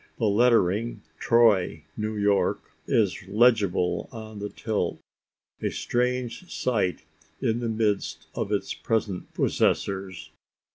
The lettering, "Troy, New York," is legible on the tilt a strange sight in the midst of its present possessors!